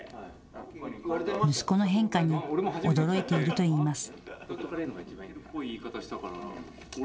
息子の変化に驚いているといいます。